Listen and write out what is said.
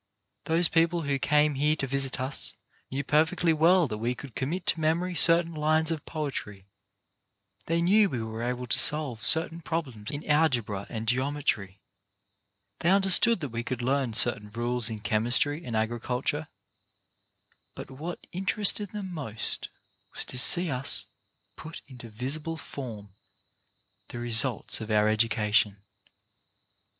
Those people who came here to visit us knew perfectly well that we could commit to memory certain lines of poetry, they knew we were able to solve certain problems in algebra and geometry, they understood that we could learn certain rules in chemistry and agri culture; but what interested them most was to see us put into visible form the results of our edu cation.